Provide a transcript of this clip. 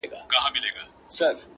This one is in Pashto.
آسمانه واخله ککرۍ درغلې،